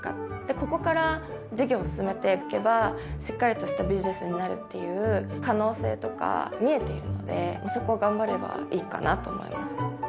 ここから事業を進めていけばしっかりとしたビジネスになるっていう可能性とか見えているのでそこを頑張ればいいかなと思います。